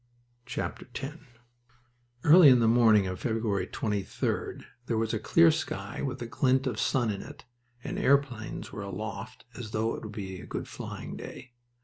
X Early in the morning of February 23d there was a clear sky with a glint of sun in it, and airplanes were aloft as though it would be a good flying day.